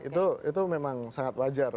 itu memang sangat wajar